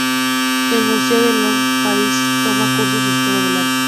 En el Museo del Louvre, París toma cursos de historia del arte.